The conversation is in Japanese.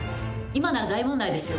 今なら大問題ですよ。